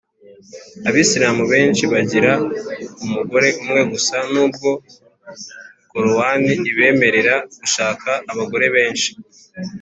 abisilamu benshi bagira umugore umwe gusa nubwo korowani ibemerera gushaka abagore benshi